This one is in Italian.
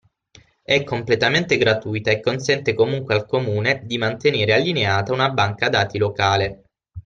È completamente gratuita e consente comunque al Comune, di mantenere allineata una banca dati locale